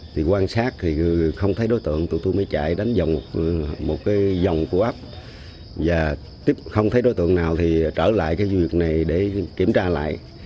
thì quan sát thì không thấy đối tượng tụi tôi mới chạy đánh vòng một cái vòng của ấp và không thấy đối tượng nào thì trở lại cái vườn này để kiểm tra lại